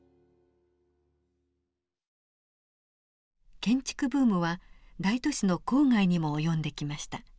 建築ブームは大都市の郊外にも及んできました。